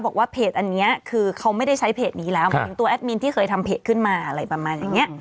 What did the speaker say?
บอกว่าเพจอันนี้คือเขาไม่ได้ใช้เพจนี้แล้วหมายถึงตัวแอดมินที่เคยทำเพจขึ้นมาอะไรประมาณอย่างนี้